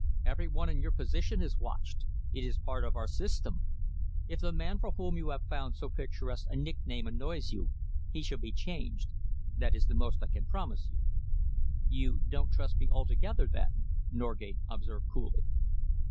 Every one in your position is watched; it is part of our system. If the man for whom you have found so picturesque a nickname annoys you, he shall be changed. That is the most I can promise you." "You don't trust me altogether, then?" Norgate observed coolly.